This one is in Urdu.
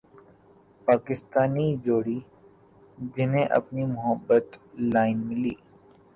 پاکستانی جوڑے جنھیں اپنی محبت لائن ملی